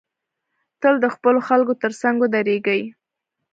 تل د خپلو خلکو تر څنګ ودریږی